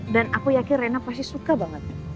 dan aku yakin rena pasti suka banget